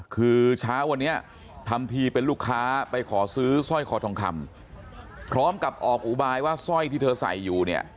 คือเช้าวันนี้ทำทีเป็นลูกค้าไปขอซื้อสร้อยคอทองคำพร้อมกับออกอุบายว่าสร้อยที่เธอใส่อยู่เนี่ย